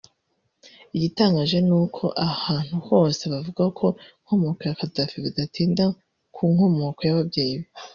Igitangaje ni uko ahantu hose bavuga ku nkomoko ya Gaddafi badatinda ku inkomoko y’ababyeyi be